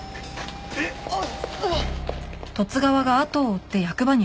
えっ！？あっ！？